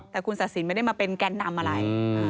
แต่คุณศาสินไม่ได้มาเป็นแกนนำอะไร